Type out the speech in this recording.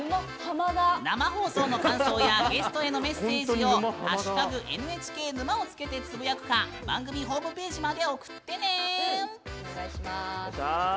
生放送の感想やゲストへのメッセージを「＃ＮＨＫ沼」をつけてつぶやくか番組ホームページまで送ってね！